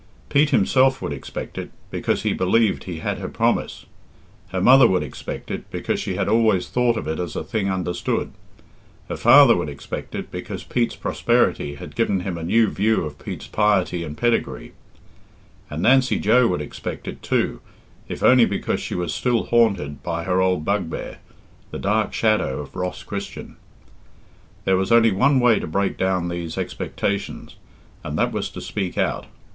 Pete himself would expect it, because he believed he had her promise; her mother would expect it, because she had always thought of it as a thing understood; her father would expect it, because Pete's prosperity had given him a new view of Pete's piety and pedigree; and Nancy Joe would expect it, too, if only because she was still haunted by her old bugbear, the dark shadow of Ross Christian. There was only one way to break down these expectations, and that was to speak out.